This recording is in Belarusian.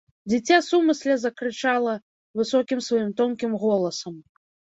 Дзіця сумысля закрычала высокім сваім тонкім голасам.